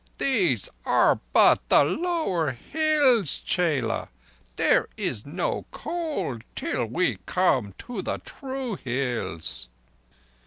"These are but the lower hills, chela. There is no cold till we come to the true Hills."